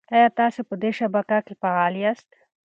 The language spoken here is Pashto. ایا تاسي په دې شبکه کې فعال یاست؟